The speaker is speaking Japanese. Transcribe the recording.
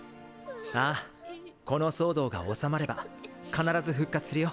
ああこの騒動が収まれば必ず復活するよ。